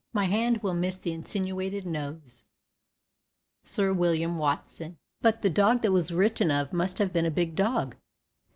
"My hand will miss the insinuated nose—" Sir William Watson. BUT the dog that was written of must have been a big dog.